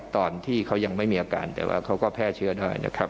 ตอนที่เขายังไม่มีอาการแต่ว่าเขาก็แพร่เชื้อได้นะครับ